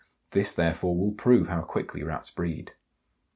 This, therefore, will prove how quickly Rats breed.